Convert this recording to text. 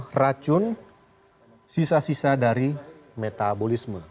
membuangkan racun sisa sisa dari metabolisme